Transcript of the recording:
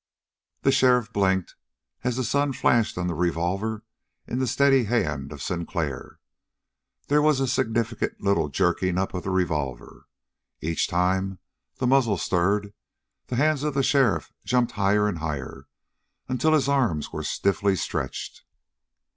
The sheriff blinked, as the sun flashed on the revolver in the steady hand of Sinclair. There was a significant little jerking up of the revolver. Each time the muzzle stirred, the hands of the sheriff jumped higher and higher until his arms were stiffly stretched.